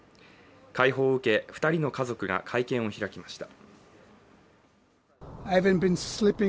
解放を受け、２人の家族が会見を開きました。